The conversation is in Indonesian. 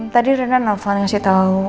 tadi rina nelfon ngasih tahu